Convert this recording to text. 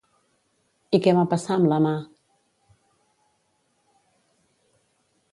I què va passar amb la mà?